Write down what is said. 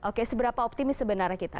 oke seberapa optimis sebenarnya kita